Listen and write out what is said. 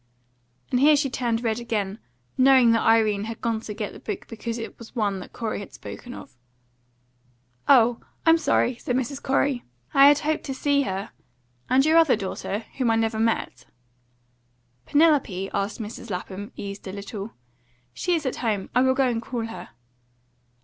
And here she turned red again, knowing that Irene had gone to get the book because it was one that Corey had spoken of. "Oh! I'm sorry," said Mrs. Corey. "I had hoped to see her. And your other daughter, whom I never met?" "Penelope?" asked Mrs. Lapham, eased a little. "She is at home. I will go and call her."